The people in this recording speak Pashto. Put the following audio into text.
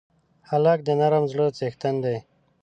هلک د نرم زړه څښتن دی.